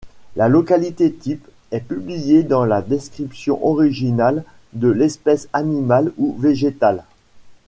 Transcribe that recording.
La localité type est publiée dans la description originale de l'espèce animale ou végétale.